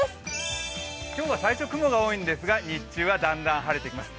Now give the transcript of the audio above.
今日は最初、雲が多いんですが、日中はだんだん晴れてきます。